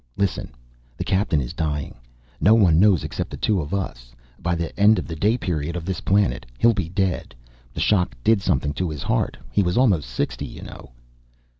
"Listen. The Captain is dying. No one knows except the two of us. By the end of the day period of this planet he'll be dead. The shock did something to his heart. He was almost sixty, you know."